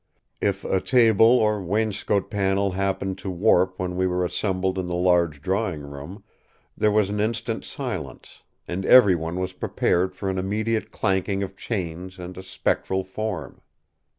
If a table or wainscot panel happened to warp when we were assembled in the large drawing room, there was an instant silence, and every one was prepared for an immediate clanking of chains and a spectral form.